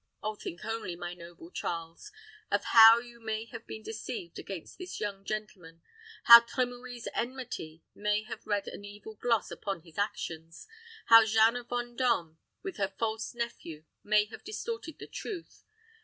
Oh, think only, my noble Charles, of how you may have been deceived against this young gentleman, how Trimouille's enmity may have read an evil gloss upon his actions, how Jeanne of Vendôme and her false nephew may have distorted the truth.